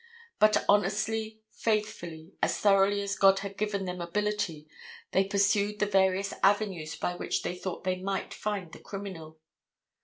But honestly, faithfully, as thoroughly as God had given them ability, they pursued the various avenues by which they thought they might find the criminal.